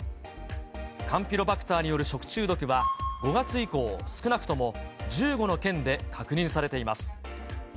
カンピロバクターによる食中毒は５月以降、少なくとも１５の県で確認されています。